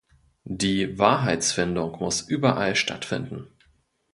Die Wahrheitsfindung muss überall stattfinden.